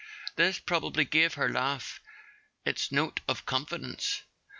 This probably gave her laugh its note of con¬ fidence.